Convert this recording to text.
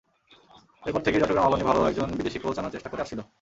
এরপর থেকেই চট্টগ্রাম আবাহনী ভালো একজন বিদেশি কোচ আনার চেষ্টা করে আসছিল।